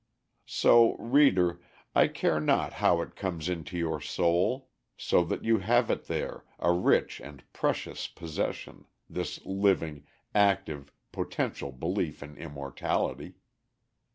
So, reader, I care not how it comes into your soul, so that you have it there, a rich and precious possession, this living, active, potential belief in immortality.